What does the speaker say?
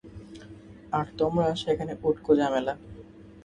আর তোমরা সেখানে উটকো ঝামেলা।